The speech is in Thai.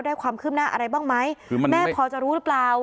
ได้ความขึ้นหน้าอะไรบ้างไหมคือมันแม่พอจะรู้หรือเปล่า